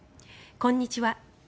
こんにちは。